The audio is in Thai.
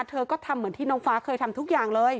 เธอก็ทำเหมือนที่น้องฟ้าเคยทำทุกอย่างเลย